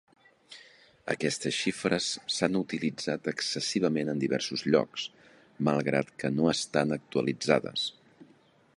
Aquestes xifres s'han utilitzat excessivament en diversos llocs, malgrat que no estan actualitzades.